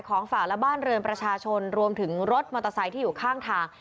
ฝากและบ้านเรือนประชาชนรวมถึงรถมอเตอร์ไซค์ที่อยู่ข้างทาง